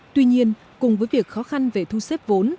tuy nhiên cùng với việc khó khăn về thu xếp vốn